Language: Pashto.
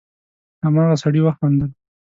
هماغه سړي وخندل: